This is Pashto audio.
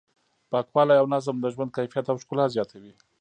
پاکوالی او نظم د ژوند کیفیت او ښکلا زیاتوي.